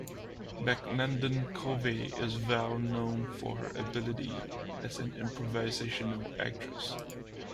McLendon-Covey is well known for her ability as an improvisational actress.